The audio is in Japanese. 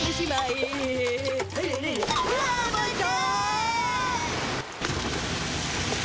うわまた？